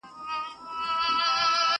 په لغتو مه څیره د خره پالانه.!